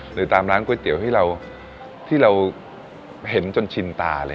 หรือตามร้านก๋วยเตี๋ยวที่เราเห็นจนชินตาเลย